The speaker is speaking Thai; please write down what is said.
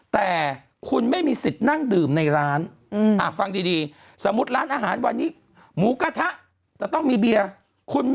แต่คุณไม่มีสิทธิ์นั่งดื่มในร้านฟังดีสมมุติร้านอาหารวันนี้หมูกระทะจะต้องมีเบียร์